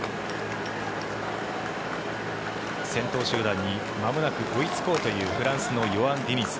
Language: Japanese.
先頭集団にまもなく追いつこうというフランスのヨアン・ディニズ。